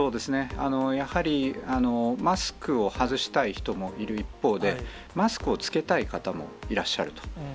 やはりマスクを外したい人もいる一方で、マスクを着けたい方もいらっしゃると。